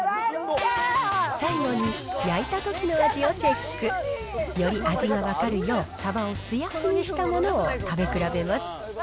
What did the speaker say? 最後に焼いたときの味をチェック。より味が分かるよう、サバを素焼きにしたものを食べ比べます。